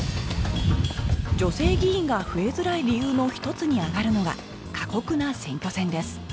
女性議員が増えづらい理由の一つに挙がるのが過酷な選挙戦です